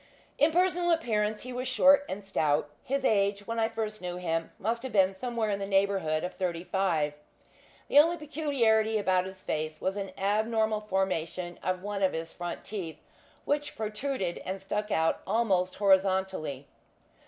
In personal appearance he was short and stout. His age, when I first knew him, must have been somewhere in the neighbourhood of thirty five. The only peculiarity about his face was an abnormal formation of one of his front teeth, which protruded, and stuck out almost horizontally.